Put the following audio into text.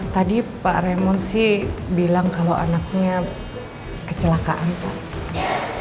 tadi pak remon sih bilang kalau anaknya kecelakaan pak